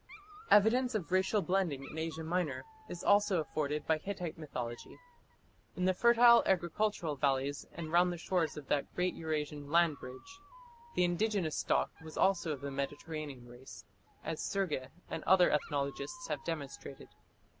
Evidence of racial blending in Asia Minor is also afforded by Hittite mythology. In the fertile agricultural valleys and round the shores of that great Eur Asian "land bridge" the indigenous stock was also of the Mediterranean race, as Sergi and other ethnologists have demonstrated.